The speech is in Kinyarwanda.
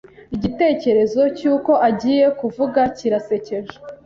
Igitekerezo cy'uko agiye kuvuga kirasekeje.